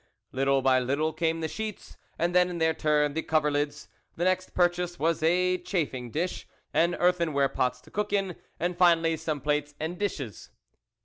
Little by little came the sheets, and then in their turn the coverlids ; the next purchase was a chafing dish, and earthen ware pots to cook in, and finally some plates and dishes.